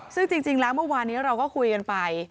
ซึ่งจริงแล้วเมื่อวานนี้เราก็คุยกันไป